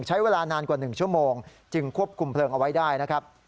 ใช้เวลานานกว่า๑ชั่วโมงจึงควบคุมเพลิงเอาไว้ได้นะครับ